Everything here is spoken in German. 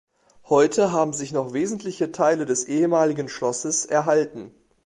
Heute haben sich noch wesentliche Teile des ehemaligen Schlosses erhalten.